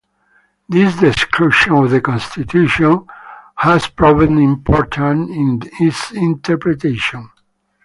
This description of the Constitution has proven important in its interpretation.